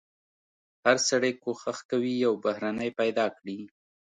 هر سړی کوښښ کوي یو بهرنی پیدا کړي.